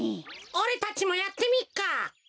おれたちもやってみっか！